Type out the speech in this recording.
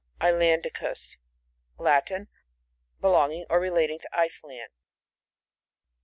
IsLANDicus. — Latin. BeIoD|fing or relnftisig to Iceland.